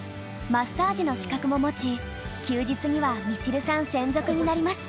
マッサージの資格も持ち休日にはみちるさん専属になります。